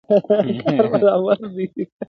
ګاونډيان راټولېږي او د پېښې خبري کوي ډېر.